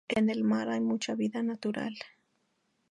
En el mar hay mucha vida natural.